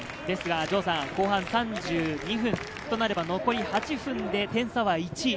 ですが後半３２分となれば残り８分で点差は１。